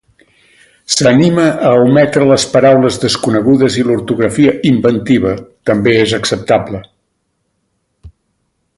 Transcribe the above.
S'anima a ometre les paraules desconegudes i l'ortografia "inventiva" també és acceptable.